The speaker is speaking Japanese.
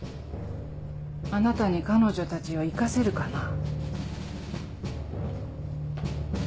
あなたに彼女たちを生かせるかな。